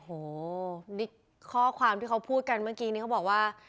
โอ้โหนี่ข้อความที่เขาพูดกันเมื่อกี้นี้เขาบอกว่า